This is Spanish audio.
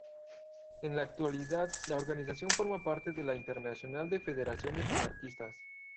En la actualidad la organización forma parte de la Internacional de Federaciones Anarquistas.